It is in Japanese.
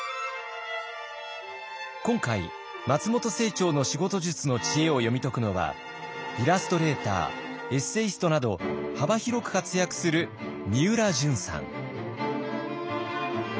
今回松本清張の仕事術の知恵を読み解くのはイラストレーターエッセイストなど幅広く活躍するみうらじゅんさん。